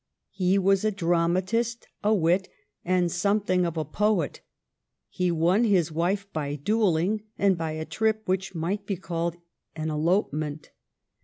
He was a dramatist, a wit, and something of a poet. He won his wife by duelling and by a trip which might be called an elopement.